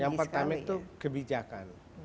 yang pertama itu kebijakan